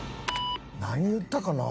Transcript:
何言ったかな？